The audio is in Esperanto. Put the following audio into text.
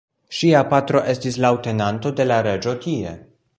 Ŝia patro estis leŭtenanto de la reĝo tie.